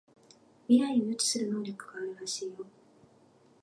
未来を予知する能力があるらしいよ